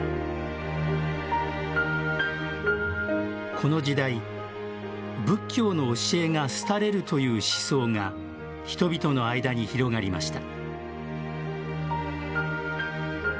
この時代、仏教の教えが廃れるという思想が人々の間に広がりました。